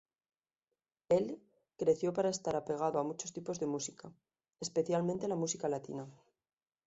Él creció para estar apegado a muchos tipos de música, especialmente la música latina.